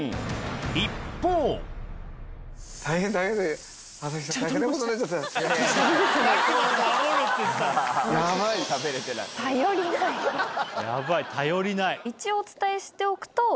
一方ヤバい頼りない。